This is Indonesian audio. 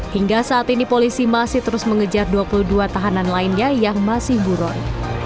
hingga saat ini polisi masih terus mengejar dua puluh dua tahanan lainnya yang masih buron